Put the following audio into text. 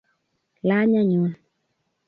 lany anyun